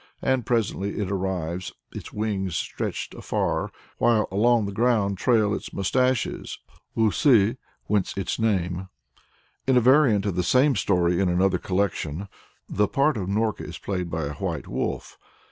And presently it arrives its wings stretching afar, while along the ground trail its moustaches [usui, whence its name]. In a variant of the same story in another collection, the part of Norka is played by a white wolf.